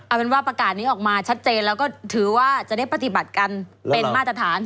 เอาเป็นว่าประกาศนี้ออกมาชัดเจนแล้วก็ถือว่าจะได้ปฏิบัติกันเป็นมาตรฐาน